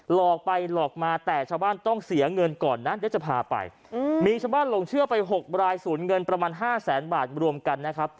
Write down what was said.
หลอกไปหลอกมาแต่ชาวบ้านต้องเสียเงินก่อนนะเดี๋ยวจะพาไป